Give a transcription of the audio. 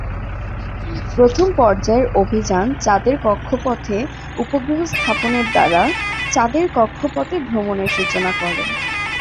প্রথম পর্যায়ের অভিযান চাঁদের কক্ষপথে উপগ্রহ স্থাপনের দ্বারা চাঁদের কক্ষপথে ভ্রমনের সূচনা করে।